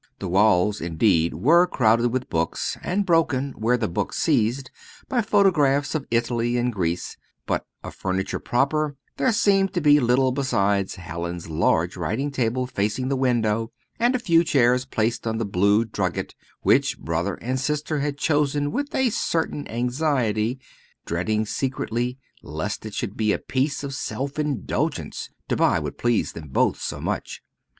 The walls, indeed, were crowded with books, and broken, where the books ceased, by photographs of Italy and Greece; but of furniture proper there seemed to be little beside Hallin's large writing table facing the window, and a few chairs, placed on the blue drugget which brother and sister had chosen with a certain anxiety, dreading secretly lest it should be a piece of self indulgence to buy what pleased them both so much.